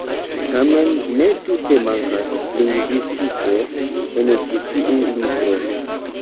Tamen ne tute mankas lingvistiko en ĉi tiu libro.